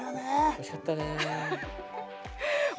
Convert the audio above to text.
おいしかったね。